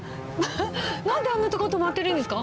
なんであんな所に止まってるんですか？